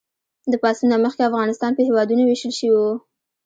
د پاڅون نه مخکې افغانستان په هېوادونو ویشل شوی و.